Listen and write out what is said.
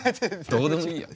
どうでもいいや。